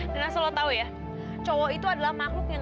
dan selalu tahu ya cowok itu adalah makhluk yang